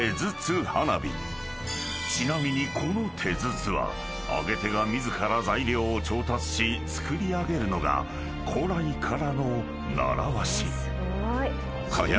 ［ちなみにこの手筒は揚げ手が自ら材料を調達し作り上げるのが古来からの習わし］